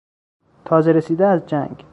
تازه رسیده از جنگ